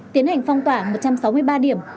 tiến hành phong tỏa một trăm sáu mươi ba điểm